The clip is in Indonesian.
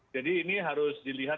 jadi ini harus dilihat dengan baik